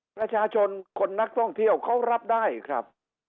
ประชาชนคนนักท่องเที่ยวเขารับได้ครับ